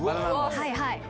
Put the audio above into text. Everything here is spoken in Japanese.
はいはい。